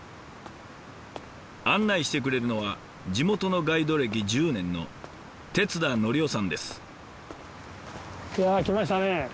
案内してくれるのは地元のガイド歴１０年の来ましたね。